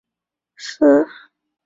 树火纪念纸博物馆管理。